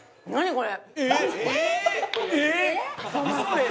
これ。